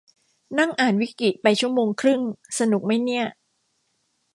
นั่งอ่านวิกิไปชั่วโมงครึ่ง สนุกมั้ยเนี่ย